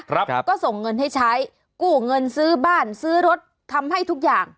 ครับก็ส่งเงินให้ใช้กู้เงินซื้อบ้านซื้อรถทำให้ทุกอย่าง